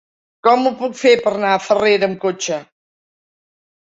Com ho puc fer per anar a Farrera amb cotxe?